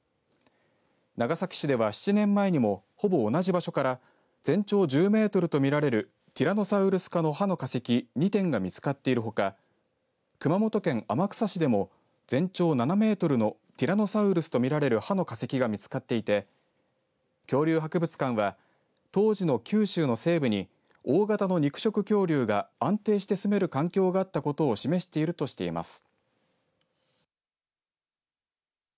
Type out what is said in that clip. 長崎市では７年前にもほぼ同じ場所から全長１０メートルと見られるティラノサウルス科の歯の化石２点が見つかっているほか熊本県天草市でも全長７メートルのティラノサウルスと見られる歯の化石が見つかっていて恐竜博物館は当時の九州の西部に大型の肉食恐竜が安定して住める環境があったことを示しているとしています。